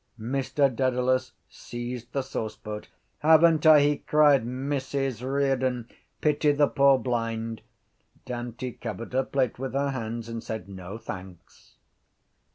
Mr Dedalus seized the sauceboat. —Haven’t I? he cried. Mrs Riordan, pity the poor blind. Dante covered her plate with her hands and said: —No, thanks.